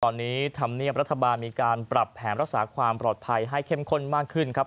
ตอนนี้ธรรมเนียบรัฐบาลมีการปรับแผนรักษาความปลอดภัยให้เข้มข้นมากขึ้นครับ